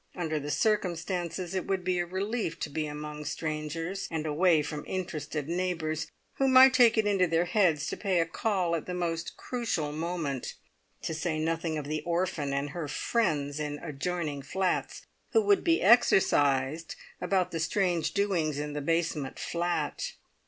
Under the circumstances, it would be a relief to be among strangers, and away from interested neighbours who might take it into their heads to pay a call at the most crucial moment, to say nothing of the orphan and her friends in adjoining flats, who would be exercised about the strange doings in the basement flat!